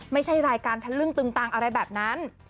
ไม่ใช่รายการทะลึ่งตึงตังอะไรแบบนั้น